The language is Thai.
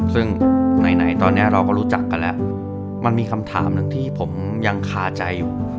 ซึ่งไหนตอนนี้เราก็รู้จักกันแล้วมันมีคำถามหนึ่งที่ผมยังคาใจอยู่